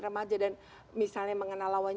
remaja dan misalnya mengenal lawan